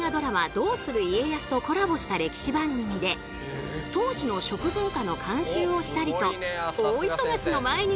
「どうする家康」とコラボした歴史番組で当時の食文化の監修をしたりと大忙しの毎日！